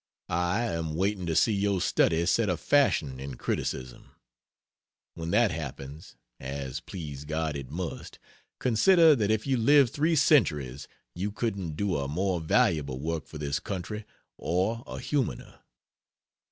I am waiting to see your Study set a fashion in criticism. When that happens as please God it must consider that if you lived three centuries you couldn't do a more valuable work for this country, or a humaner.